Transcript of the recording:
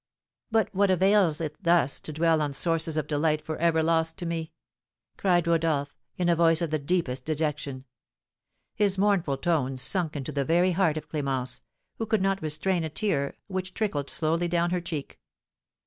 "But what avails it thus to dwell on sources of delight for ever lost to me?" cried Rodolph, in a voice of the deepest dejection. His mournful tones sunk into the very heart of Clémence, who could not restrain a tear, which trickled slowly down her cheek.